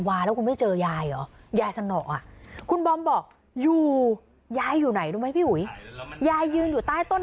ไม่อยากให้แม่เป็นอะไรไปแล้วนอนร้องไห้แท่ทุกคืน